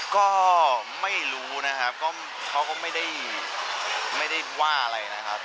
ก็ไม่รู้นะครับก็เขาก็ไม่ได้ว่าอะไรนะครับ